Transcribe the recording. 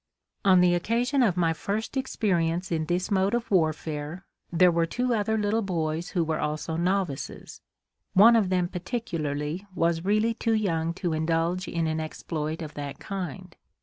On the occasion of my first experience in this mode of warfare, there were two other little boys who were also novices. One of them particularly was really too young to indulge in an exploit of that kind.